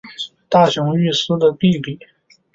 大熊裕司的弟弟。